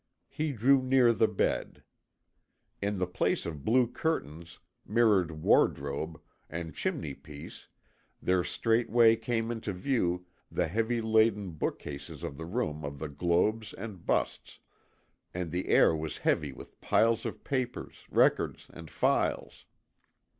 He drew near the bed. In the place of blue curtains, mirrored wardrobe, and chimney piece, there straightway came into view the heavy laden bookcases of the room of the globes and busts, and the air was heavy with piles of papers, records, and files.